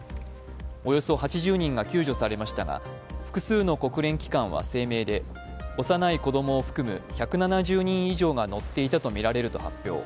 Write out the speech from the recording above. およそ８０人が救助されましたが複数の国連機関は声明で幼い子供を含む１７０人以上が乗っていたと発表。